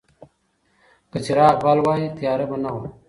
که څراغ بل وای، تیاره به نه وه.